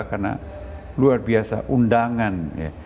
karena luar biasa undangan ya